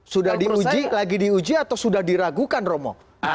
sudah diuji lagi diuji atau sudah diragukan romo